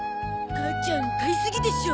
母ちゃん買いすぎでしょ。